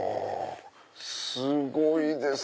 すごいです！